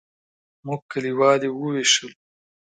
موږ کلیوال یې وویشلو.